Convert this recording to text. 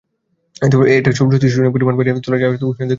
এটি সৌরশক্তি শোষণের পরিমাণ বাড়িয়ে তোলে যা আরো উষ্ণায়নের দিকে ধাবিত করে।